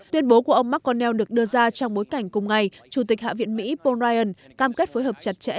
tuyên bố của ông mcconnell được đưa ra trong bối cảnh cùng ngày chủ tịch hạ viện mỹ paul ryan cam kết phối hợp chặt chẽ